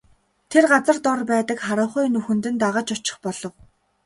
Тэр газар дор байдаг харанхуй нүхэнд нь дагаж очих болов.